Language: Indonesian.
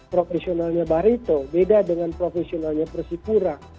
profesionalnya barito beda dengan profesionalnya persipura